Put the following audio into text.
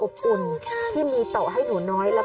เบื้องต้น๑๕๐๐๐และยังต้องมีค่าสับประโลยีอีกนะครับ